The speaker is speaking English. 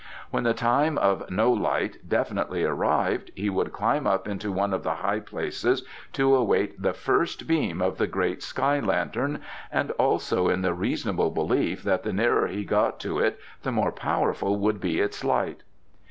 When the time of no light definitely arrived he would climb up into one of the high places to await the first beam of the great sky lantern, and also in the reasonable belief that the nearer he got to it the more powerful would be its light.